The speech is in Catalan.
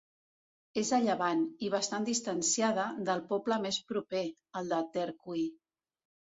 És a llevant, i bastant distanciada, del poble més proper, el de Tercui.